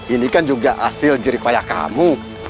ini kan juga hasil jeripayah kamu